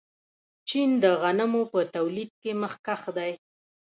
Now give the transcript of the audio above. چین د غنمو په تولید کې مخکښ دی.